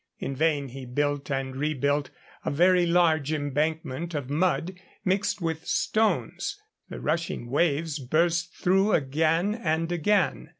In vain he built and rebuilt a very large embankment of mud mixed with stones, the rushing waves burst through again and again.